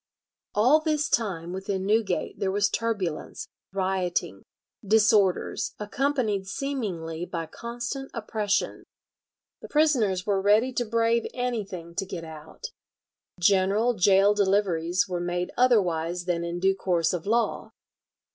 All this time within Newgate there was turbulence, rioting, disorders, accompanied seemingly by constant oppression. The prisoners were ready to brave anything to get out. General gaol deliveries were made otherwise than in due course of law.